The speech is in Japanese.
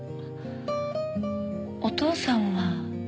お父さんは。